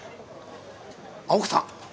あっ奥さん？